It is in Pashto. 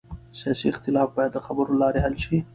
سیاسي اختلاف باید د خبرو له لارې حل شي